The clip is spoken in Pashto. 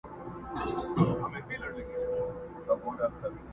چي دي غوښتل هغه تللي دي له وخته٫